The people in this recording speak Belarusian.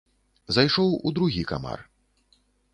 Зайшоў у другі камар.